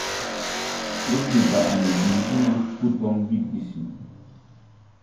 Sir Dubane diŋ ti wur botoŋ Gidigisi.